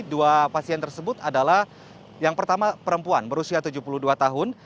dua pasien tersebut adalah yang pertama perempuan berusia tujuh puluh dua tahun